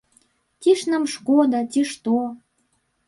Ці ж нам шкода, ці што?